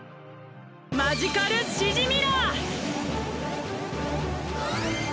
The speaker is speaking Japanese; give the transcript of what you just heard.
マジカルシジミラー！